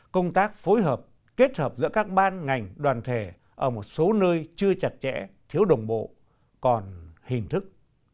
công tác phối hợp kết hợp giữa các ban ngành đoàn thể ở một số nơi chưa chặt chẽ thiếu đồng bộ còn hình thức